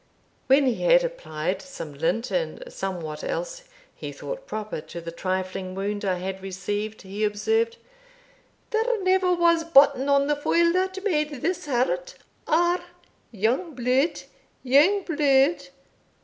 When he had applied some lint and somewhat else he thought proper to the trifling wound I had received, he observed "There never was button on the foil that made this hurt. Ah! young blood! young blood!